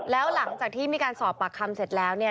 แล้วหลังจากที่มีการสอบปากคำเสร็จแล้วเนี่ย